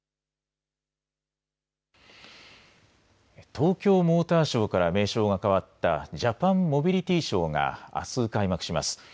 東京モーターショーから名称が変わったジャパンモビリティショーがあす開幕します。